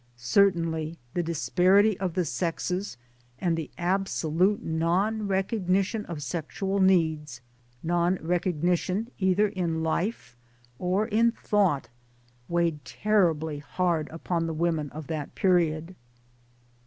Certainly the disparity of the sexes and the absolute non recog nition of sexual needs non recognition either in life or in thought weighed terribly hard upon the women of that period.